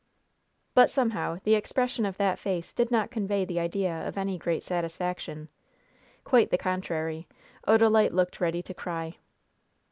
But, somehow, the expression of that face did not convey the idea of any great satisfaction. Quite the contrary. Odalite looked ready to cry.